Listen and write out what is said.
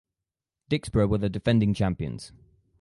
Dicksboro were the defending champions.